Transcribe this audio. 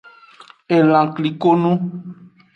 Elan klikonu.